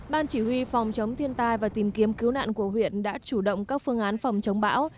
ban chỉ huy phòng chống thiên tai và tìm kiếm cứu nạn của huyện đã chủ động các phương án phòng chống bão